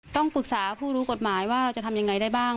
ต้องปรึกษาผู้รู้กฎหมายว่าเราจะทำยังไงได้บ้าง